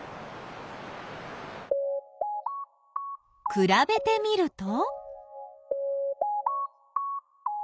くらべてみると？